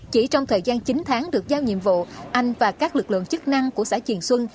chỉ trong thời gian chín tháng được giao nhiệm vụ anh và các lực lượng chức năng của xã triển xuân